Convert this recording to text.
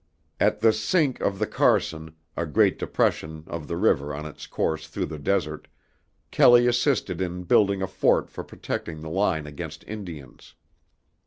At the Sink of the Carson, a great depression of the river on its course through the desert, Kelley assisted in building a fort for protecting the line against Indians.